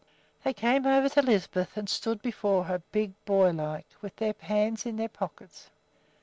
They came over to Lisbeth and stood before her, big boy like, with their hands in their pockets.